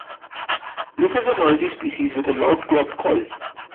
This is a noisy species with a loud "clowp" call.